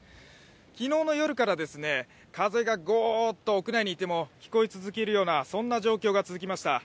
昨日の夜から風がゴーっと屋内にいても聞こえ続けるような状況が続きました。